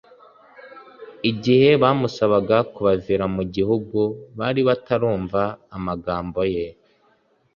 igihe bamusabaga kubavira mu gihugu, bari batarumva amagambo ye